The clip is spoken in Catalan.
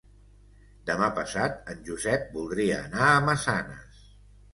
Demà passat en Josep voldria anar a Massanes.